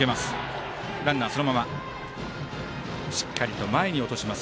しっかりと前に落とします